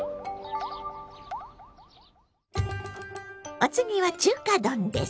お次は中華丼です。